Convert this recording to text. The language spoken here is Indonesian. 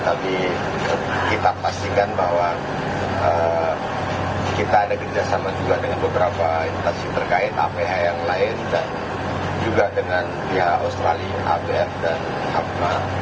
tapi kita pastikan bahwa kita ada kerjasama juga dengan beberapa instansi terkait aph yang lain dan juga dengan pihak australia abf dan hafta